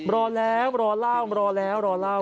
รอแล้วรอล่าวรอล่าว